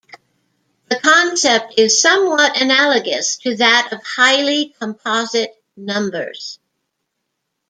The concept is somewhat analogous to that of highly composite numbers.